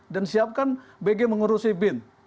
dan siapkan bg mengurusi bin